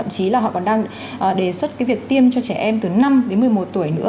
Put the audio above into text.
chí là họ còn đang đề xuất cái việc tiêm cho trẻ em từ năm đến một mươi một tuổi nữa